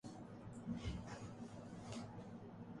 یہ قدیم ترین مسیحی تحریکوں میں سے ایک ہے